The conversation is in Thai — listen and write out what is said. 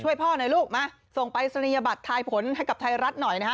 พ่อหน่อยลูกมาส่งปรายศนียบัตรทายผลให้กับไทยรัฐหน่อยนะฮะ